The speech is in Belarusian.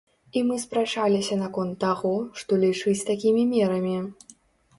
І мы спрачаліся наконт таго, што лічыць такімі мерамі.